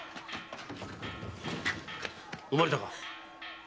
産まれたか？